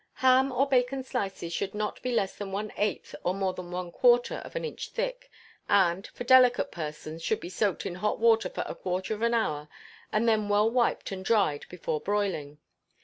Ham or bacon slices should not be less than one eighth or more than a quarter of an inch thick, and, for delicate persons, should be soaked in hot water for a quarter of an hour, and then well wiped and dried before broiling.